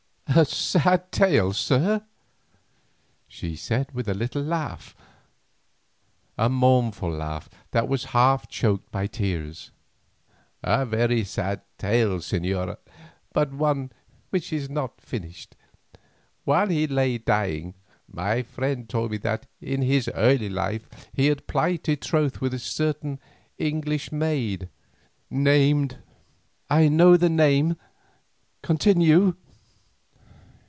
"A sad tale, sir," she said with a little laugh—a mournful laugh that was half choked by tears. "A very sad tale, señora, but one which is not finished. While he lay dying, my friend told me that in his early life he had plighted troth with a certain English maid, named—" "I know the name—continue."